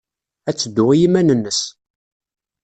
Ad teddu i yiman-nnes.